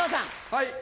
はい。